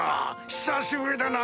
久しぶりだな！